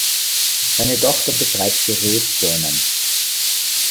Seine Tochter betreibt Gerätturnen.